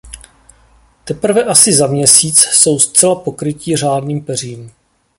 Teprve asi za měsíc jsou zcela pokrytí řádným peřím.